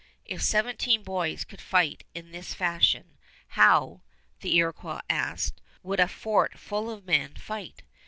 If seventeen boys could fight in this fashion, how the Iroquois asked would a fort full of men fight?